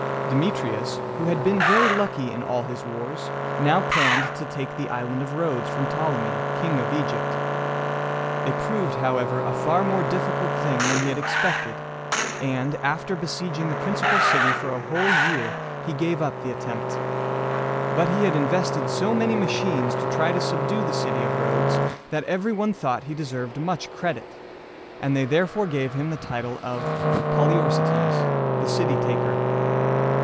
Demetrius, who had been very lucky in all his wars, now planned to take the Island of Rhodes from Ptolemy, King of Egypt. It proved, however, a far more difficult thing than he had expected, and, after besieging the principal city for a whole year, he gave up the attempt. But he had invented so many machines to try to subdue the city of Rhodes, that every one thought he deserved much credit, and they therefore gave him the title of Po li or ce´tes ("the city taker").